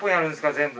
全部。